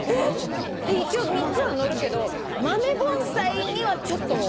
一応３つはのるけど豆盆栽にはちょっと。